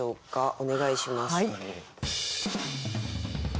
お願いします。